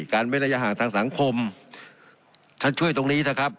การไม่ได้ยาห่างทางสังคมฉันช่วยตรงนี้นะครับ